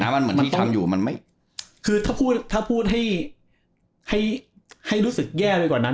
มันเหมือนที่ทำอยู่มันคือถ้าพูดให้รู้สึกแย่ไปกว่านั้น